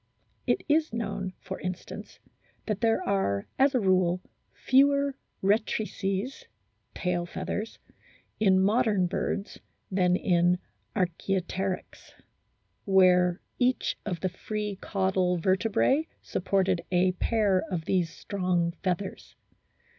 It is known, for instance, that there are, as a rule, fewer rectrices (tail feathers) in modern birds than in Arch&opteryx, where each of the free caudal vertebrae supported a pair of these strong feathers.